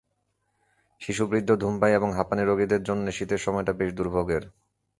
শিশু, বৃদ্ধ, ধূমপায়ী এবং হাঁপানির রোগীদের জন্য শীতের সময়টা বেশ দুর্ভোগের।